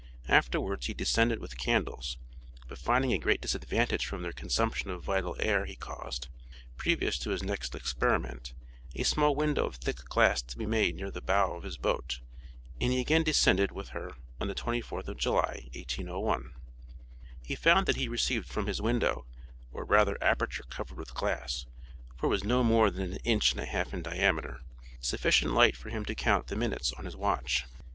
Afterwards he descended with candles; but finding a great disadvantage from their consumption of vital air he caused, previous to his next experiment, a small window of thick glass to be made near the bow of his boat, and he again descended with her on the 24th of July, 1801. He found that he received from his window, or rather aperture covered with glass, for it was no more than an inch and a half in diameter, sufficient light for him to count the minutes on his watch.